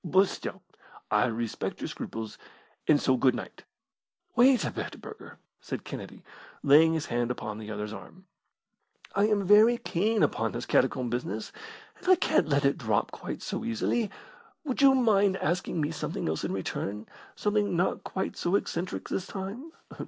But still, I respect your scruples; and so good night!" "Wait a bit, Burger," said Kennedy, laying his hand upon the other's arm; "I am very keen upon this catacomb business, and I can't let it drop quite so easily. Would you mind asking me something else in return something not quite so eccentric this time?"